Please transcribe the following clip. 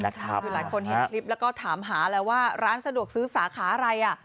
คือหลายคนเห็นคลิปแล้วก็ถามหาแล้วว่าร้านสะดวกซื้อสาขาอะไร